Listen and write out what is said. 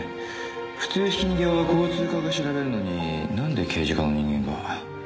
普通ひき逃げは交通課が調べるのになんで刑事課の人間が。